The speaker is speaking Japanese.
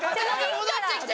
戻ってきて。